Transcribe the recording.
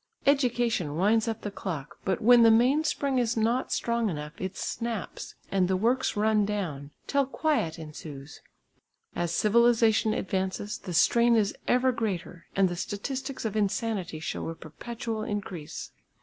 Education winds up the clock, but when the mainspring is not strong enough it snaps and the works run down, till quiet ensues. As civilisation advances the strain is ever greater and the statistics of insanity show a perpetual increase.